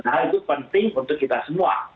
nah itu penting untuk kita semua